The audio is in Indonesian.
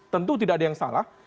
tentu tidak ada yang salah